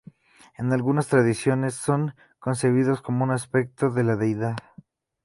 En algunas tradiciones son concebidos como un aspecto de la deidad.